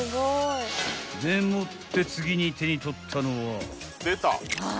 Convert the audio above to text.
［でもって次に手に取ったのは］